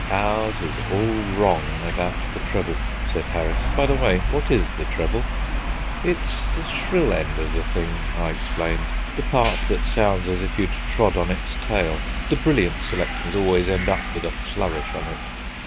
"Ours is all wrong about the treble," said Harris. "By the way, what is the treble?" "It's the shrill end of the thing," I explained; "the part that sounds as if you'd trod on its tail. The brilliant selections always end up with a flourish on it."